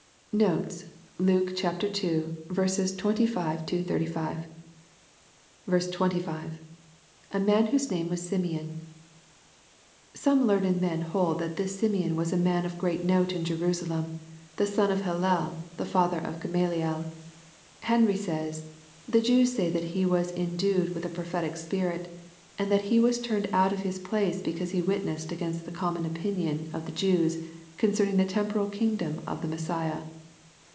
LUKE^ CHAP. n. 71 Notes. Luke IL 25—35. 25.— [ui man wJiose name was Simeon,] Some learned men hold that this Simeon was a man of great note in Jerusalem, the son of Hillel, and father of Gamaliel. Henry says, " the Jews say that he was endued with a prophetic spirit, and tiiat he was turned out of his place because he witnessed against the common opinion of the Jews concerning the temporal kmgdom of the Messiah."